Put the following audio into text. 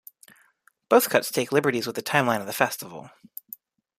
Both cuts take liberties with the timeline of the festival.